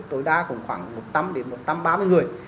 tối đa khoảng một trăm linh một trăm ba mươi người